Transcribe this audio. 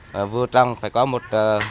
và vô trong phải có một